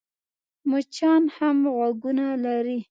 مچان هم غوږونه لري .